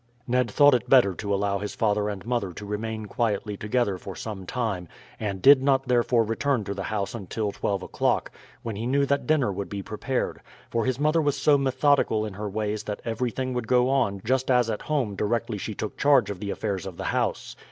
Ned thought it better to allow his father and mother to remain quietly together for some time, and did not therefore return to the house until twelve o'clock, when he knew that dinner would be prepared; for his mother was so methodical in her ways that everything would go on just as at home directly she took charge of the affairs of the house.